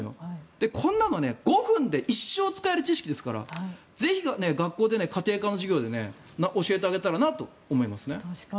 こんなの５分で一生使える知識ですからぜひ、学校で家庭科の授業で教えられたらなと思います。